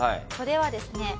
それはですね